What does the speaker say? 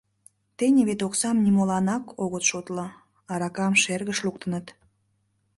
Тений вет оксам нимоланак огыт шотло, аракам шергыш луктыныт.